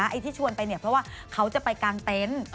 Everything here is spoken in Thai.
ไอ้ที่ชวนไปเนี่ยเพราะว่าเขาจะไปกางเต็นต์